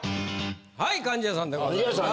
はい貫地谷さんでございます。